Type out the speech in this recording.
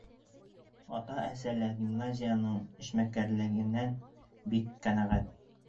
Ата-әсә лә гимназияның эшмәкәрлегенән бик ҡәнәғәт.